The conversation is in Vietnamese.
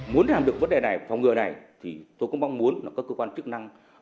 muốn làm được vấn đề này phòng ngừa này thì tôi cũng mong muốn là các cơ quan chức năng